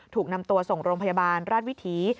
ถูกนำตัวส่งโรงพยาบาลราชวิถี